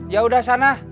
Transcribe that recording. ya sudah sana